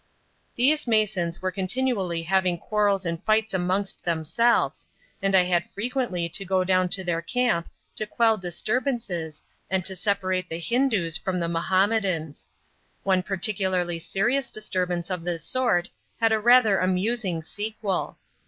These masons were continually having quarrels and fights amongst themselves, and I had frequently to go down to their camp to quell disturbances and to separate the Hindus from the Mohammedans. One particularly serious disturbance of this sort had a rather amusing sequel.